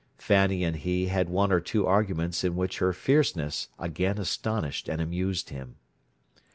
Fanny and he had one or two arguments in which her fierceness again astonished and amused him.